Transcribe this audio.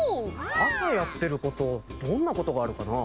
朝やってることどんなことがあるかな？